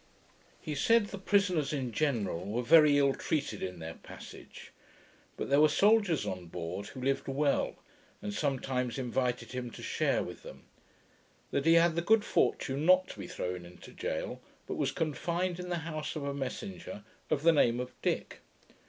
He said, the prisoners in general were very ill treated in their passage; but there were soldiers on board who lived well, and sometimes invited him to share with them: that he had the good fortune not to be thrown into jail, but was confined in the house of a messenger, of the name of Dick.